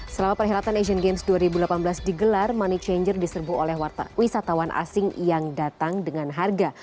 selama perhelatan asian games dua ribu delapan belas digelar money changer diserbu oleh wisatawan asing yang datang dengan harga